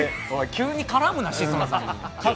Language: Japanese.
急に絡むな、志尊さんに。